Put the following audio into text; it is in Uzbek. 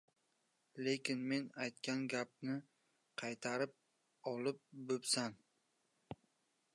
lekin men aytgan gapni qaytarib olib bo‘psan”.